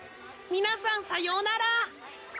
皆さんさようなら。